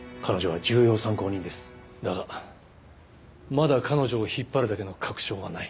だがまだ彼女を引っ張るだけの確証はない。